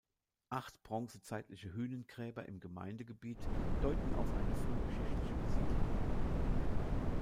Acht bronzezeitliche Hünengräber im Gemeindegebiet deuten auf eine frühgeschichtliche Besiedlung hin.